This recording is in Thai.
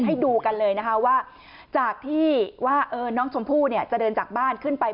ให้ดูกันเลยนะคะว่าจากที่ว่าน้องชมพู่เนี่ยจะเดินจากบ้านขึ้นไป